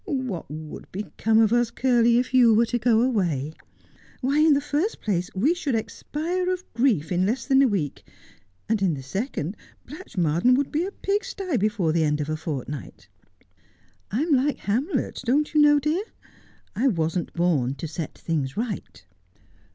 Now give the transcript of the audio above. What would become of us, Curly, if you were to go away ? Why, in the first place we should expire of grief in less than a week, and in the second Blatchmar dean would be a pigsty before the end of a fortnight. I am like Hamlet, don't you know, dear? I wasn't born to set things right.'